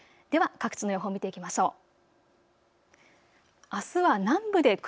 では各地の予報を見ていきましょう。